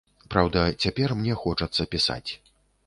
Праўда, цяпер мне хочацца пісаць.